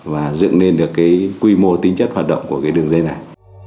và dựng lên được quy mô tính chất hoạt động của đường dây này